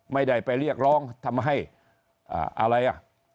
ไม่ได้ไปเรียกร้องทำให้อะไรอ่ะ